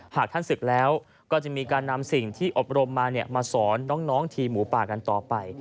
หากท่านศึกแล้วก็จะมีการนำสิ่งที่อบรมมามาสอนน้องทีมหมูป่ากันต่อไป